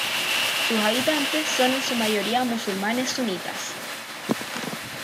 Sus habitantes son en su mayoría musulmanes sunitas.